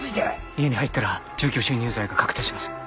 家に入ったら住居侵入罪が確定します。